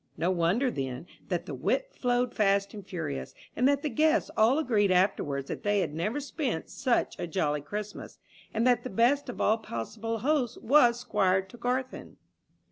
No wonder, then, that the wit flowed fast and furious, and that the guests all agreed afterwards that they had never spent such a jolly Christmas, and that the best of all possible hosts was Squire Tregarthen!